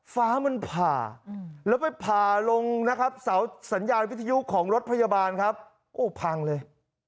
ฟ้ามันผ่าแล้วไปผ่าลงนะครับเสาสัญญาณวิทยุของรถพยาบาลครับโอ้พังเลย